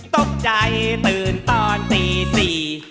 ตกใจตื่นตอนตีสี่